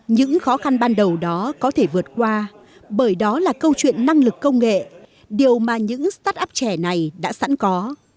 những khó khăn ban đầu đó có thể vượt qua bởi đó là câu chuyện năng lực công nghệ điều mà những start up trẻ này đã sẵn có